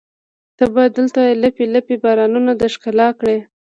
ته به دلته لپې، لپې بارانونه د ښکلا کړي